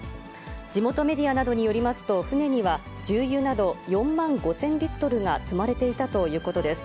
地元メディアなどによりますと、船には重油など４万５０００リットルが積まれていたということです。